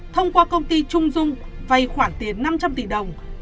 thông qua công ty trung dung vay khoản tiền năm trăm linh tỷ đồng